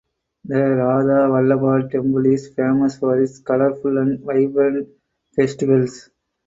The Radha Vallabh temple is famous for its colorful and vibrant festivals.